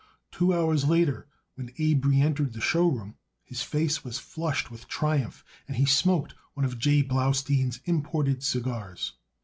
Two hours later when Abe reëntered the show room his face was flushed with triumph and he smoked one of J. Blaustein's imported cigars.